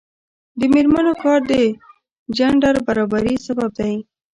د میرمنو کار د جنډر برابري سبب دی.